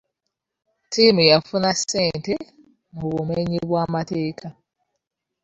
Ttimu yafuna ssente mu bumenyi bw'amateeka.